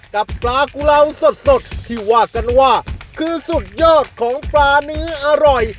กับปลากุลาวสดที่ว่ากันว่าคือสุดยอดของปลาเนื้ออร่อย